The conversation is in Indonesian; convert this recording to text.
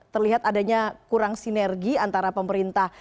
terlihat adanya kurang sinergi antara pemerintah